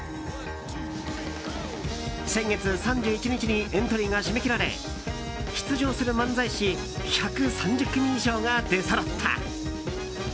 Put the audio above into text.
先月３１日にエントリーが締め切られ出場する漫才師１３０組以上が出そろった。